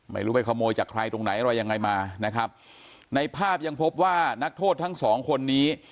ไม่รู้ไปขโมยจากใครตรงไหนอะไรยังไงมานะครับในภาพยังพบว่านักโทษทั้งสองคนนี้